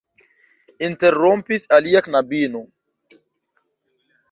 interrompis alia knabino.